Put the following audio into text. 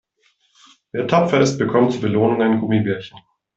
Wer tapfer ist, bekommt zur Belohnung ein Gummibärchen.